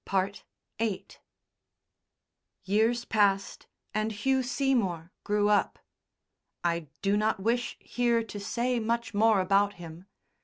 VIII Years passed and Hugh Seymour grew up. I do not wish here to say much more about him.